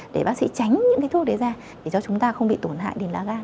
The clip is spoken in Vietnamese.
để bác sĩ tránh những thuốc đấy ra để cho chúng ta không bị tổn hại đến lá gan của mình